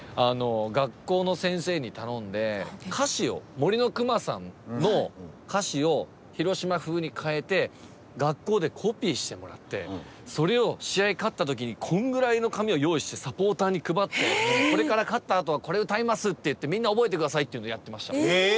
学校の先生に頼んで歌詞を「もりのくまさん」の歌詞を広島風に変えて学校でコピーしてもらってそれを試合勝った時にこんぐらいの紙を用意してサポーターに配って「これから勝ったあとはこれ歌います」って言って「みんな覚えて下さい」っていうのをやってました。